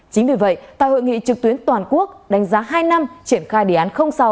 chính vì vậy tại hội nghị trực tuyến toàn quốc đánh giá hai năm triển khai đề án sáu